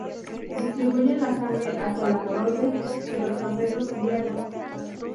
Distribuyen la sangre hacia la coroides y los procesos ciliares.